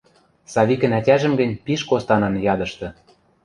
Савикӹн ӓтяжӹм гӹнь пиш костанын ядышты.